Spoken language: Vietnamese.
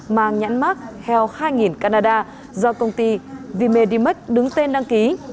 mang nhãn mark health hai nghìn canada do công ty vmedimax đứng tên đăng ký